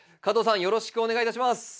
加藤さんよろしくお願いいたします。